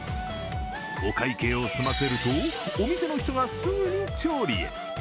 お会計を済ませるとお店の人がすぐに調理。